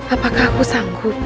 apakah aku bisa